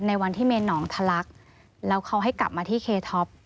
ในวันที่เมนหนองทะลักแล้วเขาให้กลับมาที่เคท็อป